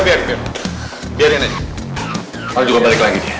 sudah biar biar